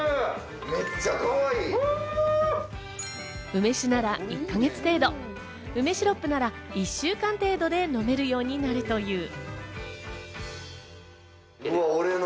梅酒なら１か月程度、梅シロップなら１週間程度で飲めるようになるという。